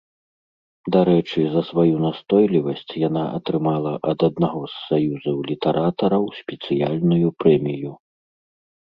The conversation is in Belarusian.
Дарэчы, за сваю настойлівасць яна атрымала ад аднаго з саюзаў літаратараў спецыяльную прэмію.